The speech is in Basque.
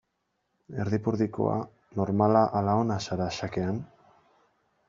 Erdipurdikoa, normala ala ona zara xakean?